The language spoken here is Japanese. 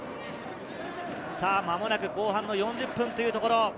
間もなく後半４０分というところ。